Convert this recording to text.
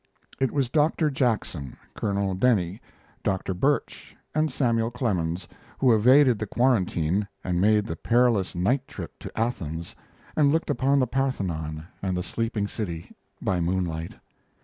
It was Doctor Jackson, Colonel Denny, Doctor Birch, and Samuel Clemens who evaded the quarantine and made the perilous night trip to Athens and looked upon the Parthenon and the sleeping city by moonlight.